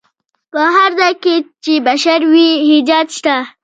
په هر ځای کې چې بشر وي ایجاد شته.